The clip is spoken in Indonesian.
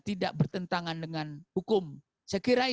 tidak bertentangan dengan hukum sekiranya